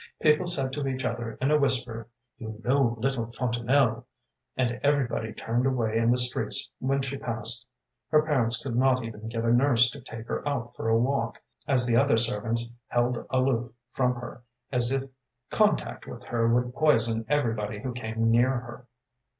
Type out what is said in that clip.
People said to each other in a whisper: 'You know, little Fontanelle,' and everybody turned away in the streets when she passed. Her parents could not even get a nurse to take her out for a walk, as the other servants held aloof from her, as if contact with her would poison everybody who came near her.